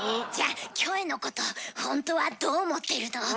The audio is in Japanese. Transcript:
じゃキョエのことほんとはどう思ってるの？